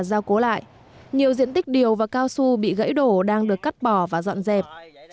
gia cố lại nhiều diện tích điều và cao su bị gãy đổ đang được cắt bỏ và dọn dẹp